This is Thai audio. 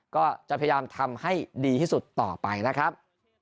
ก็จะพยายามทำให้ดีที่สุดต่อไปนะครับ